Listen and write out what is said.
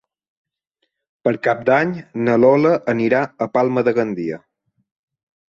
Per Cap d'Any na Lola anirà a Palma de Gandia.